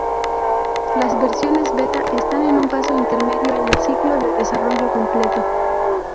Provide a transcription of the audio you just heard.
Las versiones beta están en un paso intermedio en el ciclo de desarrollo completo.